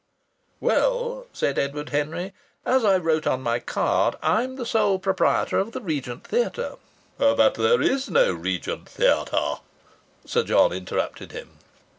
"Well," said Edward Henry, "as I wrote on my card, I'm the sole proprietor of the Regent Theatre " "But there is no Regent Theatre," Sir John interrupted him.